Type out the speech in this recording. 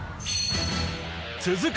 続く